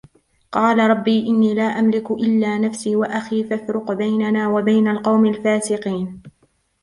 قَالَ رَبِّ إِنِّي لَا أَمْلِكُ إِلَّا نَفْسِي وَأَخِي فَافْرُقْ بَيْنَنَا وَبَيْنَ الْقَوْمِ الْفَاسِقِينَ